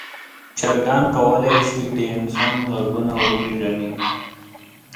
چرګان کولی شي د انسان غږونه وپیژني.